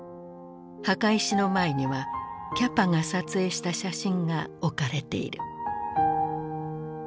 墓石の前にはキャパが撮影した写真が置かれている。